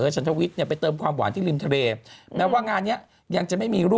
ใช้วิธีนี้